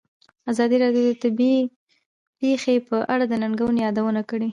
ازادي راډیو د طبیعي پېښې په اړه د ننګونو یادونه کړې.